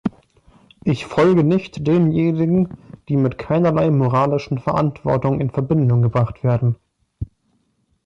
Ich folge nicht denjenigen, die mit keinerlei moralischen Verantwortung in Verbindung gebracht werden.